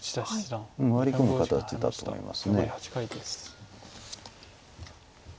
ワリ込む形だと思います。